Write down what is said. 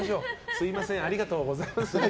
すみませんありがとうございます。